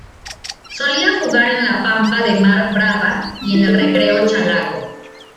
Solía jugar en la Pampa de Mar Brava y en el Recreo Chalaco.